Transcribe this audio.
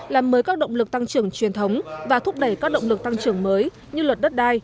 làm mới các động lực tăng trưởng truyền thống và thúc đẩy các động lực tăng trưởng mới như luật đất đai